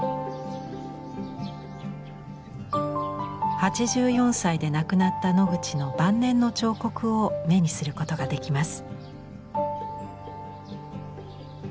８４歳で亡くなったノグチの晩年の彫刻を目にすることができます。